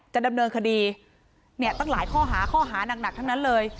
จะดำเนินคดีเนี่ยตั้งหลายข้อหานักเท่านั้นเลย